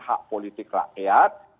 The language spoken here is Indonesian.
hak politik rakyat